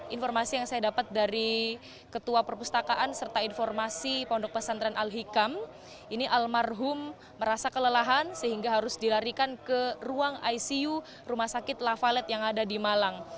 informasi yang saya dapat dari ketua perpustakaan serta informasi pondok pesantren al hikam ini almarhum merasa kelelahan sehingga harus dilarikan ke ruang icu rumah sakit lafalet yang ada di malang